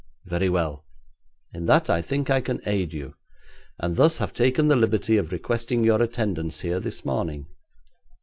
Very well. In that I think I can aid you, and thus have taken the liberty of requesting your attendance here this morning.